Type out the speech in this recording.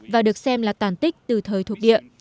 và được xem là tàn tích từ thời thuộc địa